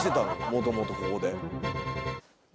もともとここで。